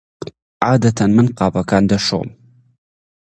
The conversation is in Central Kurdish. عادەتەن من قاپەکان دەشۆم.